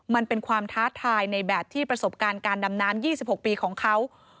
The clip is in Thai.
มันเป็นความท้าทายในแบบที่ประสบการณ์การดำน้ำ๒๖ปีของเขา